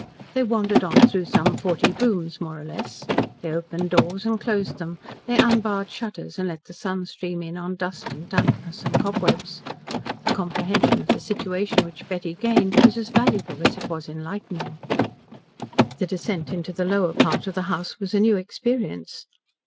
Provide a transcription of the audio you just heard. They wandered on through some forty rooms, more or less; they opened doors and closed them; they unbarred shutters and let the sun stream in on dust and dampness and cobwebs. The comprehension of the situation which Betty gained was as valuable as it was enlightening. The descent into the lower part of the house was a new experience.